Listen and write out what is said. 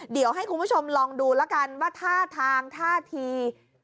เดี๋ยวให้คุณผู้ชมลองดูแล้วกันว่าท่าทางท่าที